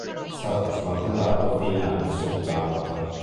È stato smantellato a fine anni settanta.